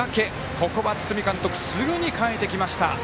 ここは堤監督すぐに代えてきました。